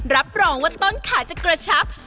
รับรองว่าต้นขาจะกระชับ